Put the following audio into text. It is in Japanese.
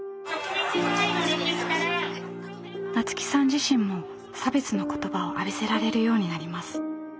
自身も差別の言葉を浴びせられるようになります。